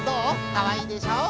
かわいいでしょ？